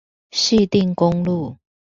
汐碇公路